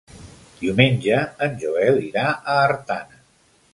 Diumenge en Joel irà a Artana.